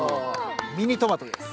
ミニトマトです。